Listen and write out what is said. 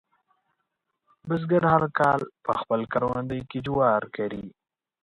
بزګر هر کال په خپل کروندې کې جوار کري.